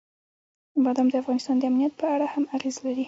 بادام د افغانستان د امنیت په اړه هم اغېز لري.